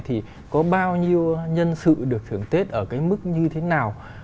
thì có bao nhiêu nhân sự được thưởng tết ở cái mức như thế nào